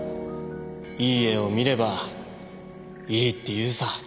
いい絵を見ればいいって言うさ。